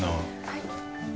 はい。